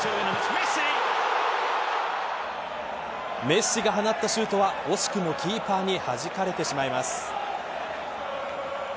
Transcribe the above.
メッシが放ったシュートは惜しくもキーパーにはじかれてしまいます。